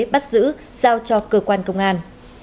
bắt giữ giao cho cơ quan công an